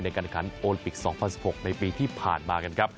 การขันโอลิปิก๒๐๑๖ในปีที่ผ่านมากันครับ